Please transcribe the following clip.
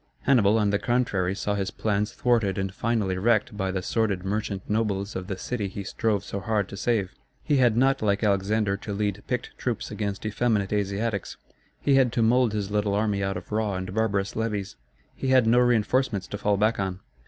Hannibal, on the contrary, saw his plans thwarted and finally wrecked by the sordid merchant nobles of the city he strove so hard to save. He had not, like Alexander, to lead picked troops against effeminate Asiatics. He had to mould his little army out of raw and barbarous levies. He had no reinforcements to fall back on.